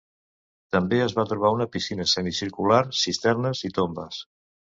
També es va trobar una piscina semicircular, cisternes i tombes.